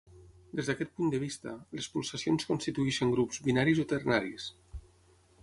Des d'aquest punt de vista, les pulsacions constitueixen grups binaris o ternaris.